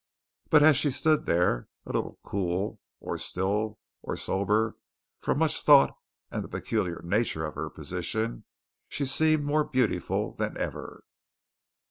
But as she stood there, a little cool or still or sober from much thought and the peculiar nature of her position, she seemed more beautiful than ever.